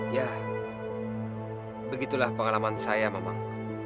ya begitulah pengalaman saya memang